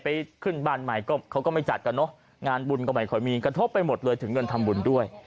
ขึ้นบ้านใหม่ก็เขาก็ไม่จัดกันเนอะงานบุญก็ไม่ค่อยมีกระทบไปหมดเลยถึงเงินทำบุญด้วย